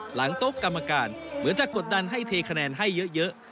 โต๊ะกรรมการเหมือนจะกดดันให้เทคะแนนให้เยอะ